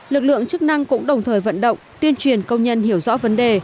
lực lượng chức năng cũng đồng thời vận động tuyên truyền công nhân hiểu rõ vấn đề